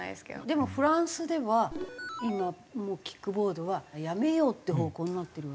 でもフランスでは今もうキックボードはやめようっていう方向になってるわけ。